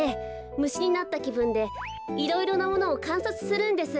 むしになったきぶんでいろいろなものをかんさつするんです。